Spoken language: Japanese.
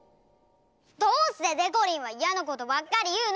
どうしてでこりんはイヤなことばっかりいうの！？